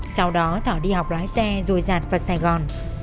sau đó thọ đi học lái xe rồi giặt vào sài gòn